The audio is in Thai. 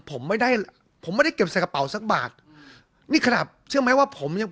ผมไม่ได้ผมไม่ได้เก็บใส่กระเป๋าสักบาทนี่ขนาดเชื่อไหมว่าผมยัง